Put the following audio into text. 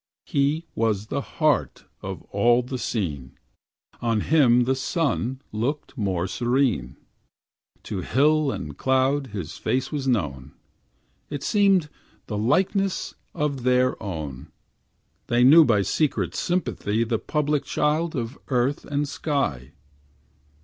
He was the heart of all the scene; On him the sun looked more serene; To hill and cloud his face was known, It seemed the likeness of their own; They knew by secret sympathy The public child of earth and sky.